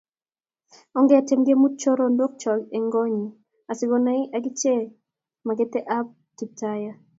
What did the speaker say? Ongetyem kemut chorondok chok eng konyi asikonai akiche makeet ab Kiptayat